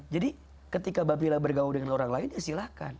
jadi ketika babila bergaul dengan orang lain ya silahkan